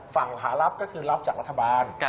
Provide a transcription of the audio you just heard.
ฝั่งขารับก็คือรับจากรัฐบาล